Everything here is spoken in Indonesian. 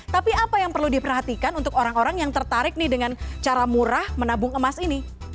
tapi apa yang perlu diperhatikan untuk orang orang yang tertarik nih dengan cara murah menabung emas ini